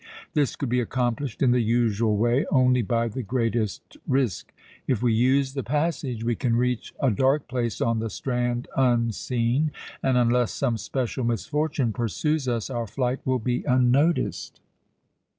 This could be accomplished in the usual way only by the greatest risk. If we use the passage we can reach a dark place on the strand unseen, and unless some special misfortune pursues us our flight will be unnoticed.